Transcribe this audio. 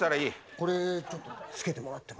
これちょっとつけてもらっても。